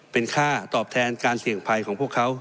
เป็นค่าตอบแทนการเสี่ยงภัยของพวกเขา